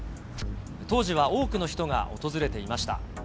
当時は多くの人が訪れていました。